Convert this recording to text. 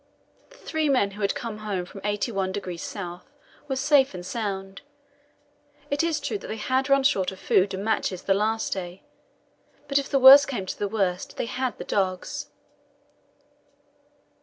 The three men who came home from 81° S. were safe and sound. It is true that they had run short of food and matches the last day, but if the worst came to the worst, they had the dogs.